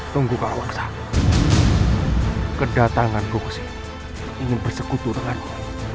tunggu kau ksatru kedatanganku kesini ingin bersekutu denganmu